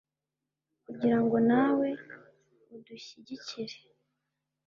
kugira ngo nawe udushyigikire